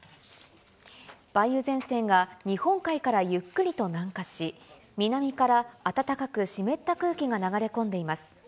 梅雨前線が日本海からゆっくりと南下し、南から暖かく湿った空気が流れ込んでいます。